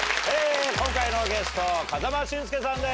今回のゲスト風間俊介さんです！